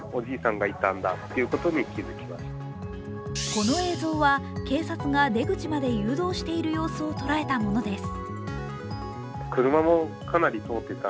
この映像は、警察が出口まで誘導している様子を捉えたものです。